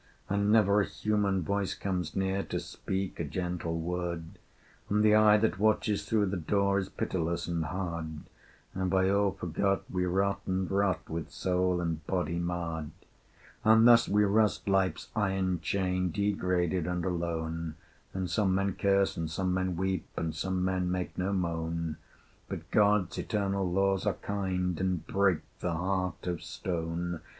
And never a human voice comes near To speak a gentle word: And the eye that watches through the door Is pitiless and hard: And by all forgot, we rot and rot, With soul and body marred. And thus we rust Life's iron chain Degraded and alone: And some men curse, and some men weep, And some men make no moan: But God's eternal Laws are kind And break the heart of stone.